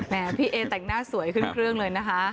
พี่เอแต่งหน้าสวยขึ้นเครื่องเลยนะคะ